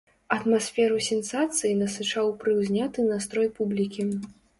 Атмасферу сенсацыі насычаў прыўзняты настрой публікі.